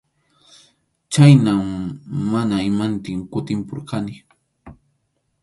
Chhaynam mana imantin kutimpurqani.